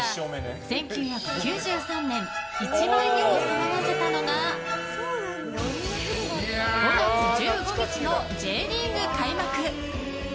１９９３年一番世を騒がせたのが５月１５日のＪリーグ開幕！